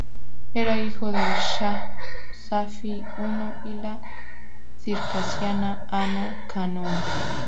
Era hijo del Shah Safi I y la circasiana, Anna Khanum.